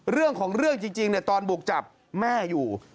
เรื่องของเรื่องจริงตอนบุกจับแม่อยู่